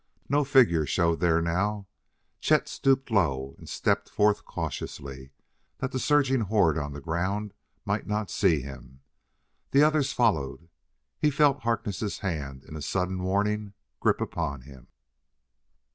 No figure showed there now; Chet stooped low and stepped forth cautiously that the surging horde on the ground might not see him. The others followed. He felt Harkness' hand in a sudden warning grip upon him.